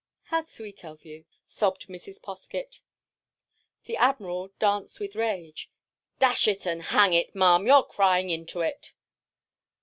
"How sweet of you!" sobbed Mrs. Poskett. The Admiral danced with rage. "Dash it and hang it, Ma'am, you're crying into it!"